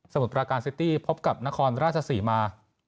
มุดประการซิตี้พบกับนครราชศรีมา